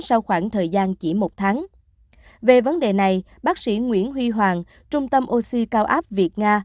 sau khoảng thời gian chỉ một tháng về vấn đề này bác sĩ nguyễn huy hoàng trung tâm oxy cao áp việt nga